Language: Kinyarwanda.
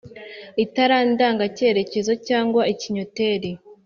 Itara ndangacyerekezoCg ikinnyoteri,